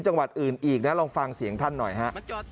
จังหวัดอื่นอีกนะลองฟังเสียงท่านหน่อยฮะ